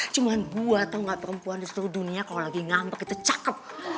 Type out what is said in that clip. cuma gue tau gak perempuan di seluruh dunia kalau lagi ngambek itu cakep